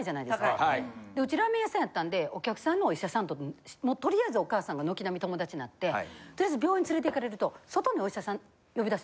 ・高い・うちラーメン屋さんやったんでお客さんのお医者さんととりあえずお母さんが軒並み友達なってとりあえず病院連れてかれると。